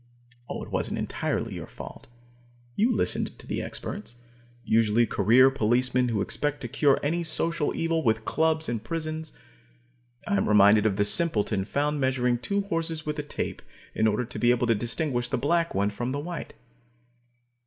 It wasn't entirely your fault. You listened to the experts, usually career policemen who expect to cure any social evil with clubs and prisons. I am reminded of the simpleton found measuring two horses with a tape in order to be able to distinguish the black one from the white.